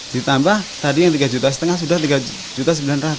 ditambah tadi yang tiga juta setengah sudah rp tiga sembilan ratus